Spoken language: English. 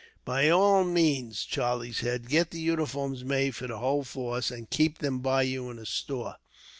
"By all means," Charlie said, "get the uniforms made for the whole force, and keep them by you in store.